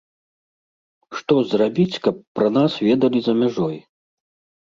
Што зрабіць, каб пра нас ведалі за мяжой?